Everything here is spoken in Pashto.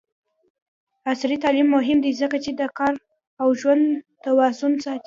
عصري تعلیم مهم دی ځکه چې د کار او ژوند توازن ساتي.